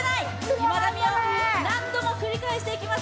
今田美桜、何度も繰り返していきます。